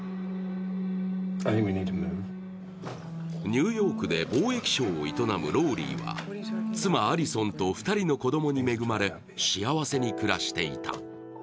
ニューヨークで貿易商を営むローリーは妻・アリソンと２人の子供に恵まれ幸せに暮らしていた。